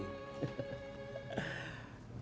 bang oja sudah menikah